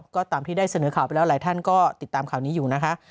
ก็ตามที่ได้เสนอข่าวไปแล้วหลายท่านก็ติดตามข่าวนี้อยู่นะคะ